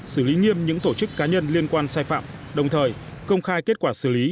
xử lý nghiêm những tổ chức cá nhân liên quan sai phạm đồng thời công khai kết quả xử lý